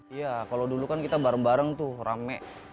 iya kalau dulu kan kita bareng bareng tuh rame